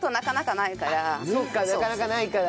なかなかないから。